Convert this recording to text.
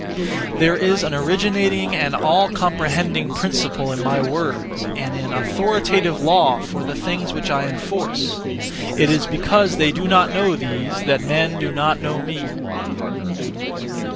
There is an originating and all comprehending (principle) in my words, and an authoritative law for the things (which I enforce). It is because they do not know these, that men do not know me.